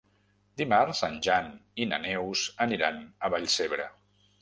Dimarts en Jan i na Neus aniran a Vallcebre.